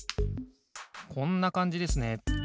こんなかんじですね。